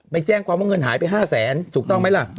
ไปแจ้งความว่าเงินหายไป๕แสนถูกต้องไหมล่ะ